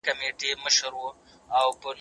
د ذمې پوره کول د ایمانداره خلګو صفت دی.